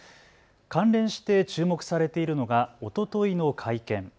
関連して注目されているのがおとといの会見。